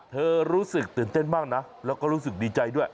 รู้สึกตื่นเต้นมากนะแล้วก็รู้สึกดีใจด้วย